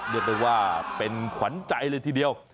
เรียกได้ว่าเป็นขวัญใจเลยทีเดียว